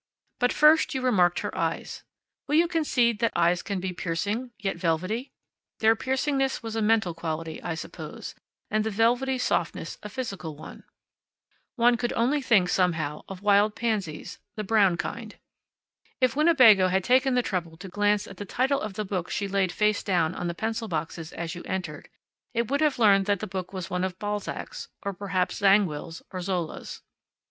But first you remarked her eyes. Will you concede that eyes can be piercing, yet velvety? Their piercingness was a mental quality, I suppose, and the velvety softness a physical one. One could only think, somehow, of wild pansies the brown kind. If Winnebago had taken the trouble to glance at the title of the book she laid face down on the pencil boxes as you entered, it would have learned that the book was one of Balzac's, or, perhaps, Zangwill's, or Zola's.